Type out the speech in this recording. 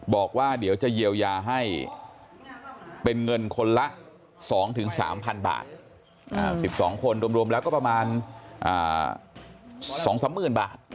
บอกว่าเดี๋ยวจะเยียวยาให้เป็นเงินคนละ๒๓๐๐๐บาท๑๒คนรวมแล้วก็ประมาณ๒๓๐๐๐บาท